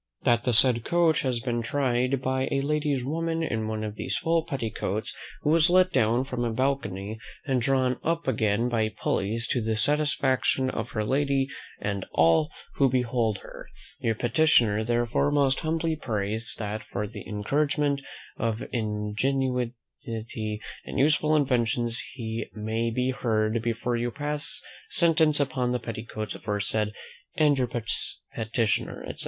"That the said coach has been tried by a lady's woman in one of these full petticoats, who was let down from a balcony, and drawn up again by pulleys, to the great satisfaction of her lady, and all who behold her. "Your petitioner, therefore, most humbly prays, that for the encouragement of ingenuity and useful inventions, he may be heard before you pass sentence upon the petticoats aforesaid. "And your petitioner," etc.